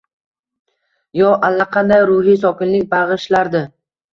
Yo allaqanday ruhiy sokinlik bag’ishlardi.